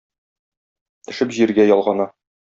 Төшеп җиргә ялгана.